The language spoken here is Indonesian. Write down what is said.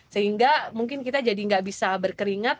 sehingga mungkin kita jadi nggak bisa berkeringat